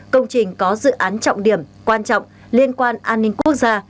công trình có dự án trọng điểm quan trọng liên quan an ninh quốc gia